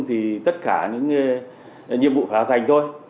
thì tất cả những nhiệm vụ phải hoàn thành thôi